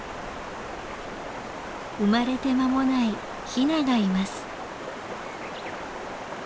生まれてまもないヒナがいます。